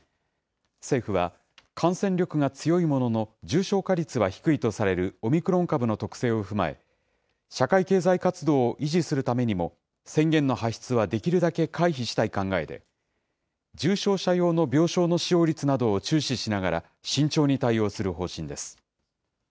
政府は、感染力が強いものの、重症化率は低いとされるオミクロン株の特性を踏まえ、社会経済活動を維持するためにも、宣言の発出はできるだけ回避したい考えで、重症者用の病床の使用率などを注視しながら、慎重に対応する方針です。